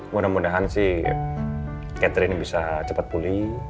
mudah mudahan sih catherine bisa cepat pulih